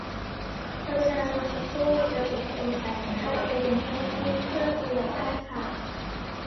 กรุณารอสักครู่ ระบบจะโอนสายของท่านไปยังเจ้าหน้าที่ เพื่อดูแลท่านค่ะ